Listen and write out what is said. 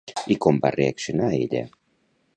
I com va reaccionar ella?